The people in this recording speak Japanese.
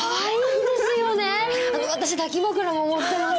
あの私抱き枕も持ってます。